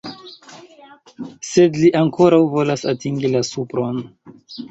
Sed li ankoraŭ volas atingi la supron.